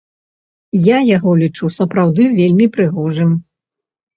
Я яго лічу сапраўды вельмі прыгожым.